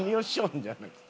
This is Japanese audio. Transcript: じゃなくて。